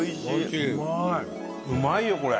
うまいよこれ。